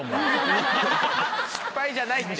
失敗じゃないって。